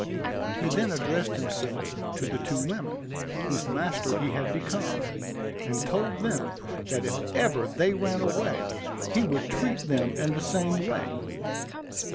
He then addressed himself to the two women, whose master he had become, and told them that if ever they ran away, he would treat them in the same way.